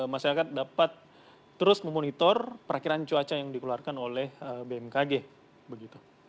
masyarakat dapat terus memonitor perakhiran cuaca yang dikeluarkan oleh bmkg begitu